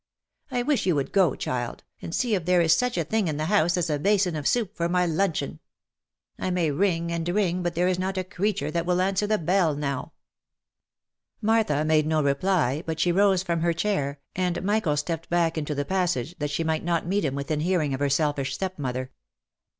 I wish you would go, child, and see if there is such a thing in the house as a basin of soup for my luncheon. I may ring and ring, but there is not a creature that will answer the bell now." 346 THE LIFE AND ADVENTURES Martha made no reply, but she rose from her chair, and Michael stepped back into the passage, that she might not meet him within hearing of her selfish step mother.